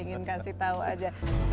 ini saya ingin kasih tau aja